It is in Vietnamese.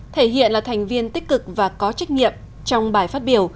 thể hiện là thành viên tích cực và có trách nhiệm trong bài phát biểu